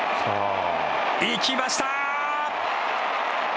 いきました。